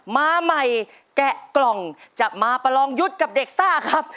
มาใหม่แกะกล่องจะมาประลองยุทธ์กับเด็กซ่าครับ